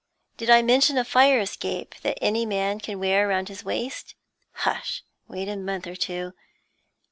Did I mention a fire escape that any man can wear round his waist? Hush! wait a month or two.